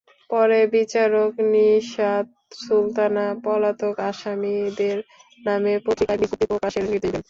পরে বিচারক নিশাত সুলতানা পলাতক আসামিদের নামে পত্রিকায় বিজ্ঞপ্তি প্রকাশের নির্দেশ দেন।